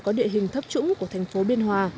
có địa hình thấp trũng của thành phố biên hòa